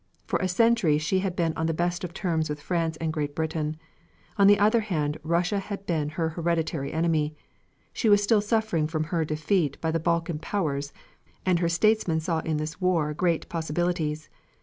For a century she had been on the best of terms with France and Great Britain. On the other hand Russia had been her hereditary enemy. She was still suffering from her defeat by the Balkan powers, and her statesmen saw in this war great possibilities.